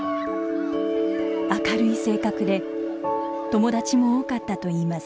明るい性格で友達も多かったといいます。